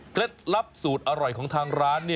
ลับสูตรอร่อยของทางร้าน